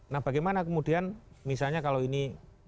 nah bagaimana kemudian misalnya kalau ini